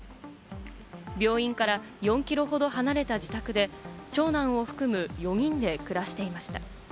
病院から４キロほど離れた自宅で、長男を含む４人で暮らしていました。